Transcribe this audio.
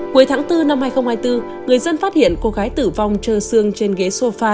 cuối tháng bốn năm hai nghìn hai mươi bốn người dân phát hiện cô gái tử vong trơ xương trên ghế xô pha